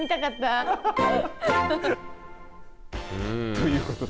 ということで。